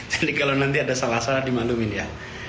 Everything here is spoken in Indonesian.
jadi kalau nanti ada salah salah dimalumin ya